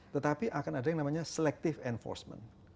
tetapi akan ada yang namanya selective enforcement